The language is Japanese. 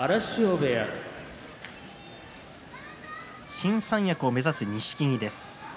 新三役を目指す錦木